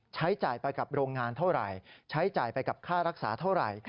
ใช้จ่ายไปกับโรงงานเท่าไหร่ใช้จ่ายไปกับค่ารักษาเท่าไหร่